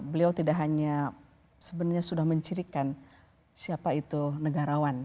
beliau tidak hanya sebenarnya sudah mencirikan siapa itu negarawan